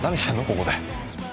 ここで。